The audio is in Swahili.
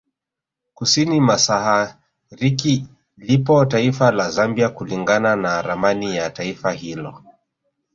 Kusini masahariki lipo taifa la Zambia kulingana na ramani ya Taifa hilo